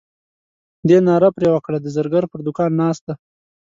دې ناره پر وکړه د زرګر پر دوکان ناست دی.